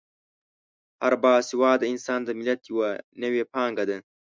هر با سواده انسان د ملت یوه نوې پانګه ده.